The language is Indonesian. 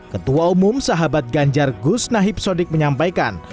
ketua umum sahabat ganjar gus nahib sodik menyampaikan